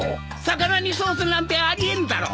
魚にソースなんてあり得んだろ！